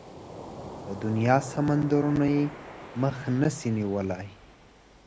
د دنيا سمندرونه يې مخه نشي نيولای.